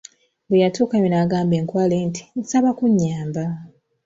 Bwe yatuukayo n'agamba enkwale nti; nsaba kunyamba.